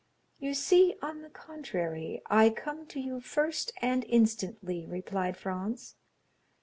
"You see, on the contrary, I come to you first and instantly," replied Franz.